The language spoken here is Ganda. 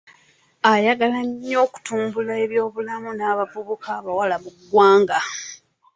Ayagala nnyo okutumbula ebyobulamu n'abavubuka abawala mu ggwanga